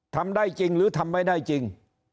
ทำได้จริงหรือทำไม่ได้จริง